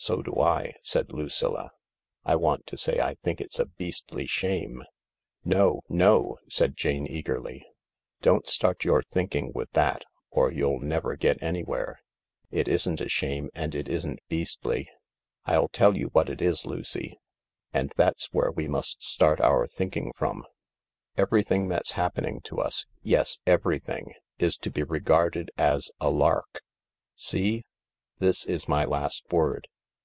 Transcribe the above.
" So do I," said Lucilla. " I want to say I think it's a beastly shame." " No, no !" said Jane eagerly. " Don't start your thinking with that, or you'll never get anywhere. It isn't a shame and it isn't beastly. I'll tell you what it is, Lucy. And that's where we must start our thinking from. Everything that's happening to us — yes, everything — is to be regarded as a lark. See ? This is my last word.